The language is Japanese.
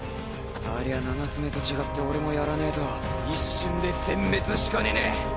ありゃ七つ眼と違って俺もやらねぇと一瞬で全滅しかねねぇ！